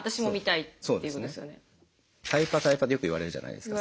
タイパタイパってよく言われるじゃないですか。